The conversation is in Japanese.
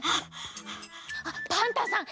あっパンタンさん